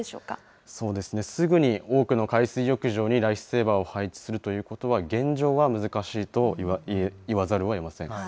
そうですね、すぐに多くの海水浴場にライフセーバーを配置するということは、現状は難しいといわざるをえません。